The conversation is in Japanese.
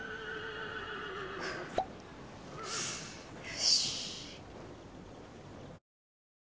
よし。